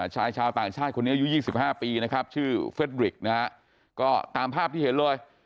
ชายชาวต่างชาติคนนี้อายุ๒๕ปีนะครับชื่อเฟสบริกนะฮะก็ตามภาพที่เห็นเลย